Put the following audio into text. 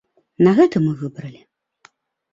На гэтым і выбралі.